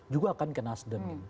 juga akan ke nasdem